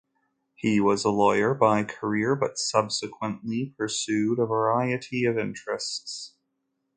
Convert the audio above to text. He was a lawyer by career but subsequently pursued a variety of interests.